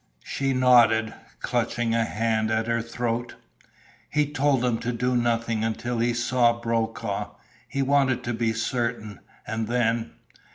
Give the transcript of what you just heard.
She nodded, clutching a hand at her throat. "He told them to do nothing until he saw Brokaw. He wanted to be certain. And then...."